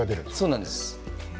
そうなんです。